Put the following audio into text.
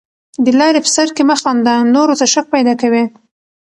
د لاري په سر کښي مه خانده، نورو ته شک پیدا کوې.